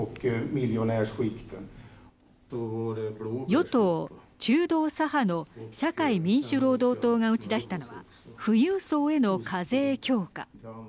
与党・中道左派の社会民主労働党が打ち出したのは富裕層への課税強化。